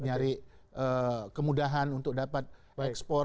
nyari kemudahan untuk dapat ekspor